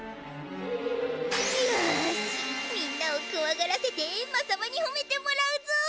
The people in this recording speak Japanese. よしみんなをこわがらせてエンマ様にほめてもらうぞ！